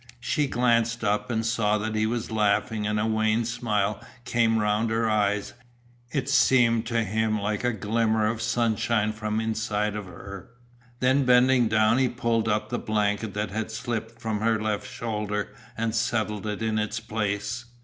She glanced up and saw that he was laughing and a wan smile came around her eyes, it seemed to him like a glimmer of sunshine from inside of her. Then bending down he pulled up the blanket that had slipped from her left shoulder and settled it in its place.